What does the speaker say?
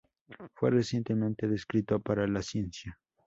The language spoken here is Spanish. Fue recientemente descrito para la ciencia.